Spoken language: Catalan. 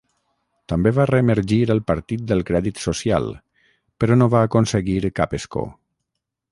També va re-emergir el Partit del Crèdit Social, però no va aconseguir cap escó.